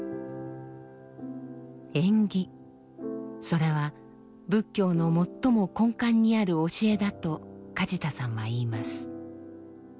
それは仏教の最も根幹にある教えだと梶田さんは言います。